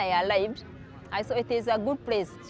saat saya hidup saya melihat tempat ini adalah tempat yang baik